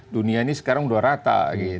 dunia ini sekarang sudah rata